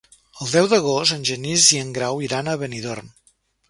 El deu d'agost en Genís i en Grau iran a Benidorm.